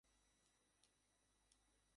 রমেশ কহিল, তা, বেশ কথা।